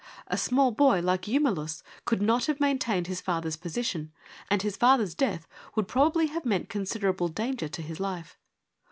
A small boy like Eumelus could not have maintained his father's position, and his father's death would probably have meant considerable danger to his life.